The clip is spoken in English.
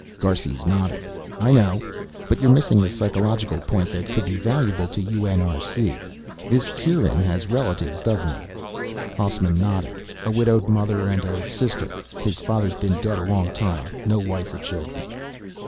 Garces nodded. "I know. But you're missing a psychological point that could be valuable to UNRC. This Kieran has relatives, doesn't he?" Hausman nodded. "A widowed mother and a sister. His father's been dead a long time. No wife or children."